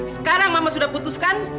sekarang mama sudah putuskan